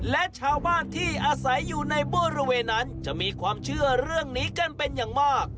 และชาวบ้านที่อาศัยอยู่ในบริเวณนั้นจะมีความเชื่อเรื่องนี้กันเป็นอย่างมาก